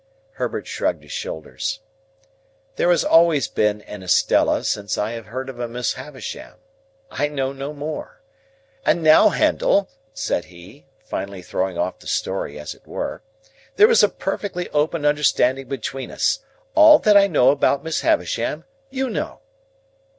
Herbert shrugged his shoulders. "There has always been an Estella, since I have heard of a Miss Havisham. I know no more. And now, Handel," said he, finally throwing off the story as it were, "there is a perfectly open understanding between us. All that I know about Miss Havisham, you know."